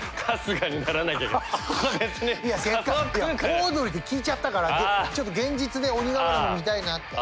オードリーって聞いちゃったからちょっと現実で鬼瓦も見たいなって。